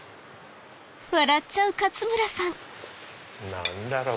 何だろう？